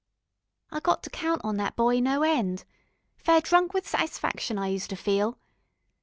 I got to count on that boy no end. Fair drunk with satisfaction, I use to feel.